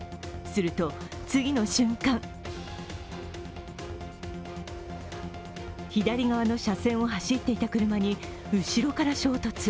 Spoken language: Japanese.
すると、次の瞬間左側の車線を走っていた車に後ろから衝突。